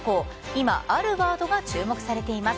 今、あるワードが注目されています。